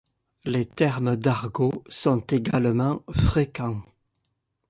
Les termes d'argot sont également fréquents.